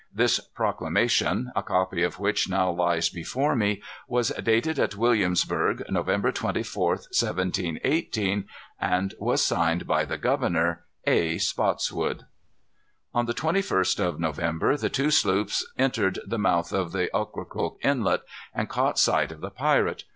This proclamation, a copy of which now lies before me, was dated at Williamsburg, November 24th, 1718, and was signed by the governor, A. Spottswood. On the 21st of November the two sloops entered the mouth of Ocracoke Inlet, and caught sight of the pirate.